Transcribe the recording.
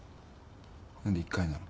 何で１回なの？